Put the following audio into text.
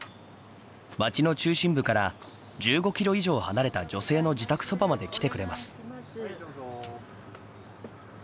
町の中心部から１５ｋｍ以上離れた女性の自宅そばまで来てくれます。